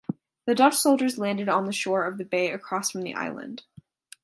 The Dutch soldiers landed on the shore of the bay across from the island.